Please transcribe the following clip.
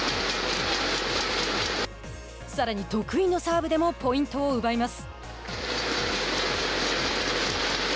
さらに得意のサーブでもポイントを奪います。